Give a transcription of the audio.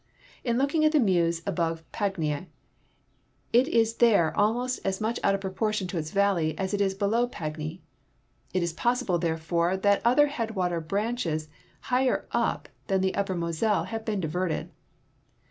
On looking at the Meuse above Pagny, it is there almost as much out of proportion to its valley as it is below Pagu}'. It is po.ssilde, therefore, that other headwater branches 230 THE SEINE, THE MEUSE, AND THE MOSELLE higher up than the upper Moselle have been diverted.